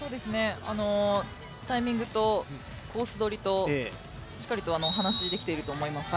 タイミングとコースどりと、しっかりと話ができていると思います。